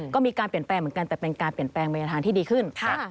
ก็มีการเปลี่ยนแปลงเหมือนกันแต่เป็นการเปลี่ยนแปลงไปในทางที่ดีขึ้น